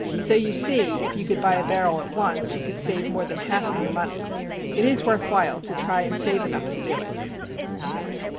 So you see if you could buy a barrel at once you could save more than one half of your money. It is worth while to try and save enough to do it.